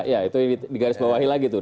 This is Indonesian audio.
ya itu digarisbawahi lagi tuh